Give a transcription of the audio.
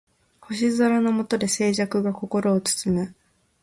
星空の下で静寂が心を包む